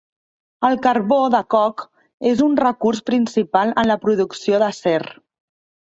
El carbó de coc és un recurs principal en la producció d'acer.